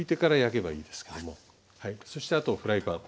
そしてあとフライパン。